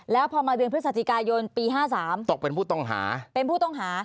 แล้วพอมาเดือนพฤศจิกายนปี๕๓ตกเป็นผู้ต้องหาเป็นผู้ต้องหา